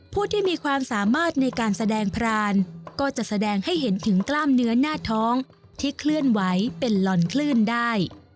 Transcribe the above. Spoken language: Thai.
ผู้ที่มีความสามารถในการแสดงพรานก็จะแสดงให้เห็นถึงกล้ามเนื้อหน้าท้องที่เคลื่อนไหวเป็นลอนคลื่นได้